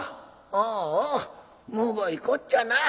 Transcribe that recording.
「ああむごいこっちゃな。